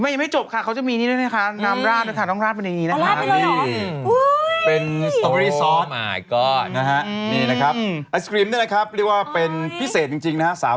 น้ำราดแน่ค่ะร้องราดเป็นยังนี้นะคะ